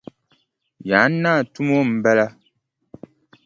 Yaan naa tumo m-bala.